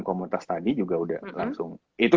komunitas tadi juga udah langsung itu